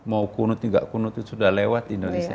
mau kunut nggak kunut itu sudah lewat indonesia